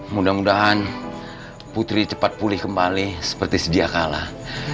mudah mudahan putri cepat pulih kembali seperti sedia kalah